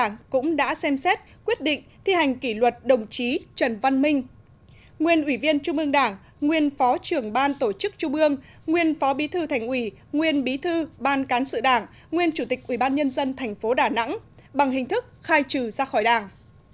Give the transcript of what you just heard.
bảy ban chấp hành trung ương đảng xem xét quyết định thi hành kỷ luật đồng chí trần văn minh nguyên ủy viên trung ương đảng nguyên phó trưởng ban tổ chức trung ương nguyên phó bí thư thành ủy nguyên bí thư ban cán sự đảng nguyên chủ tịch ủy ban nhân dân tp đà nẵng bằng hình thức khai trừ ra khỏi đảng